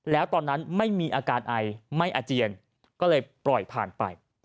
แล้วตอนนั้นไม่มีอาการไอไม่อาเจียนก็เลยปล่อยผ่านไป